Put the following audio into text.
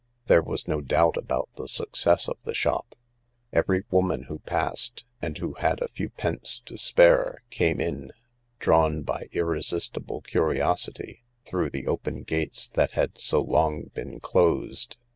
There was no doubt about the success of the shop. Every woman who passed, and who had a few pence to spare, came in, drawn by irresistible curiosity, through the open gates that had so long been closed.